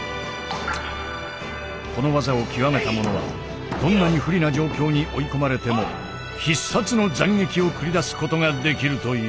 この技を極めた者はどんなに不利な状況に追い込まれても必殺の斬撃を繰り出すことができるという。